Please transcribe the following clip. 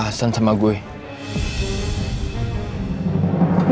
tapi bukannya lu gitu